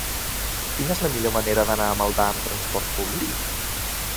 Quina és la millor manera d'anar a Maldà amb trasport públic?